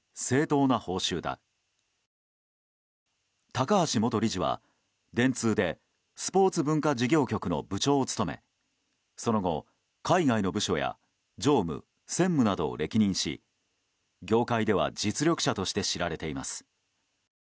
高橋元理事は電通でスポーツ文化事業局の部長を務めその後、海外の部署や常務、専務などを歴任し業界では実力者として知られています。